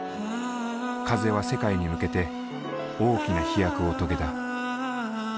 風は世界に向けて大きな飛躍を遂げた。